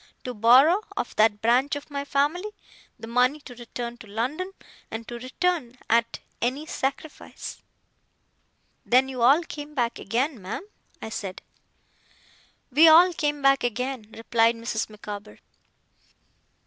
To borrow, of that branch of my family, the money to return to London, and to return at any sacrifice.' 'Then you all came back again, ma'am?' I said. 'We all came back again,' replied Mrs. Micawber.